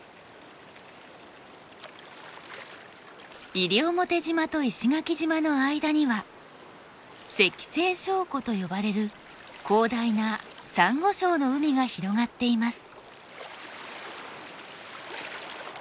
西表島と石垣島の間には石西礁湖と呼ばれる広大なサンゴ礁の海が広がっています。